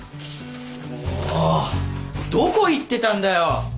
もうどこ行ってたんだよ！